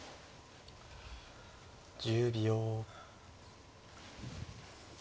１０秒。